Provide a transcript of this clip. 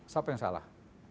siapa yang salah